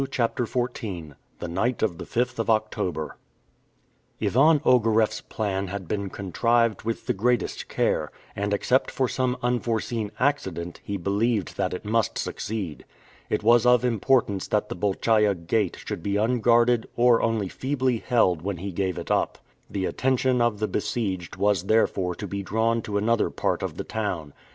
CHAPTER XIV THE NIGHT OF THE FIFTH OF OCTOBER IVAN OGAREFF'S plan had been contrived with the greatest care, and except for some unforeseen accident he believed that it must succeed. It was of importance that the Bolchaia Gate should be unguarded or only feebly held when he gave it up. The attention of the besieged was therefore to be drawn to another part of the town.